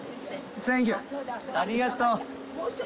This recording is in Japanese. ありがとう！